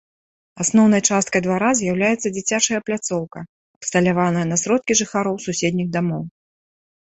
Асноўнай часткай двара з'яўляецца дзіцячая пляцоўка, абсталяваная на сродкі жыхароў суседніх дамоў.